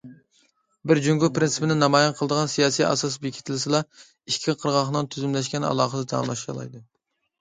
بىر جۇڭگو پىرىنسىپىنى نامايان قىلىدىغان سىياسىي ئاساس بېكىتىلسىلا، ئىككى قىرغاقنىڭ تۈزۈملەشكەن ئالاقىسى داۋاملىشالايدۇ.